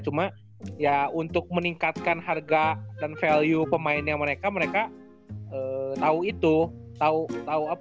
cuma ya untuk meningkatkan harga dan value pemainnya mereka mereka tahu itu